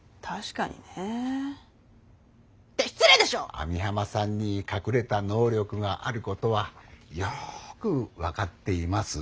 網浜さんに隠れた能力があることはよく分かっています。